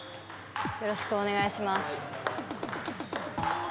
よろしくお願いします